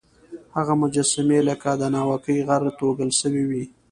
هغه مجسمې لکه د ناوکۍ غر توږل سوی وې.